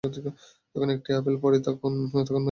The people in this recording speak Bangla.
যখন একটি আপেল পড়িল, তখনই মানুষের মধ্যে অতৃপ্তি আসিল।